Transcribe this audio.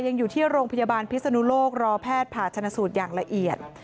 ยังอยู่ที่โรงพยาบาลพิศนุโลกรอแพทย์ผ่าชนะสูตรอย่างละเอียด